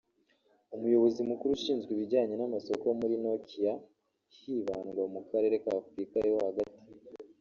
umuyobozi mukuru ushinzwe ibijyanye n’amasoko muri Nokia hibandwa mu karere ka Afurika yo hagati